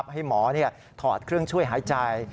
ให้หมอถอดเครื่องช่วยหายใจ